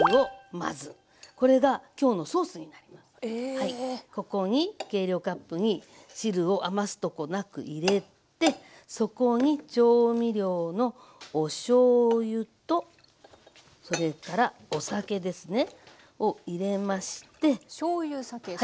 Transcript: はいここに計量カップに汁を余すとこなく入れてそこに調味料のおしょうゆとそれからお酒ですね。を入れまして。